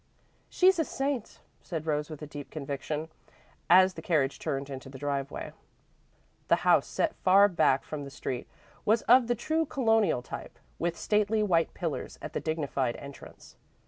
"She's a saint," said Rose with deep conviction, as the carriage turned into the driveway. The house, set far back from the street, was of the true Colonial type, with stately white pillars at the dignified entrance.